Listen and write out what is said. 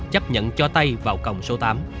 chấp nhận cho tay vào còng số tám